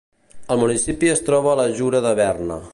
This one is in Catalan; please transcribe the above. El municipi es troba a la Jura de Berna.